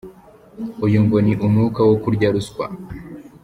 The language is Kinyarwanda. Uyu ngo ni umwuka wo kurya ruswa.